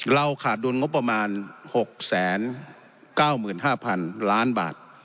ขาดดุลงบประมาณ๖๙๕๐๐๐ล้านบาท